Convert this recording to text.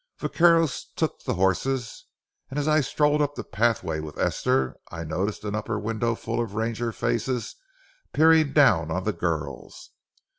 Vaqueros took the horses, and as I strolled up the pathway with Esther, I noticed an upper window full of ranger faces peering down on the girls.